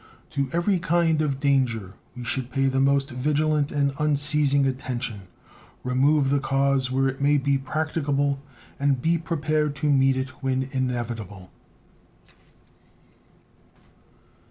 To every kind of danger we should pay the most vigilant and unceasing attention, remove the cause where it may be practicable, and be prepared to meet it when inevitable.